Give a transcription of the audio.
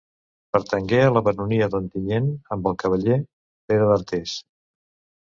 Pertangué a la baronia d'Ontinyent amb el cavaller Pere d'Artés.